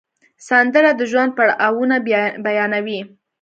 سندره د ژوند پړاوونه بیانوي